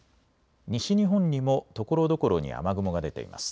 西日本にもところどころに雨雲が出ています。